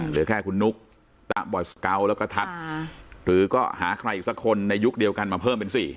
เหลือแค่คุณนุ๊กตะบอยสเกาะแล้วก็ทัศน์หรือก็หาใครอีกสักคนในยุคเดียวกันมาเพิ่มเป็น๔